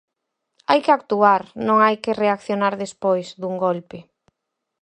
Hai que actuar, non hai que reaccionar despois, dun golpe.